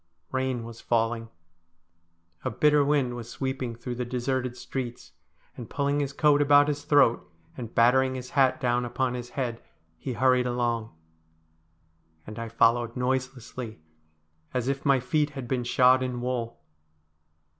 Bain was falling. A bitter wind was sweeping through the deserted streets, and pulling his coat about his throat, and battering his hat down upon his head, he hurried along. And I followed noiselessly, as if my feet had been shod in wool.